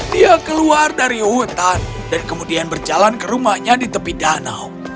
dia keluar dari hutan dan kemudian berjalan ke rumahnya di tepi danau